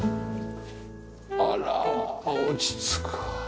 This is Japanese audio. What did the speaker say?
あら落ち着くわ。